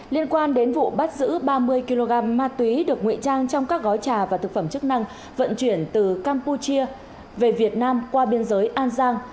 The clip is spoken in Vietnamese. liên quan đến vụ bắt giữ ba mươi kg ma túy được nguy trang trong các gói trà và thực phẩm chức năng vận chuyển từ campuchia về việt nam qua biên giới an giang